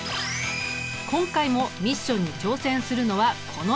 今回もミッションに挑戦するのはこの４人。